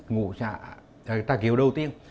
ngũ xã trà kiệu đầu tiên